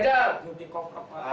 ya yang kecil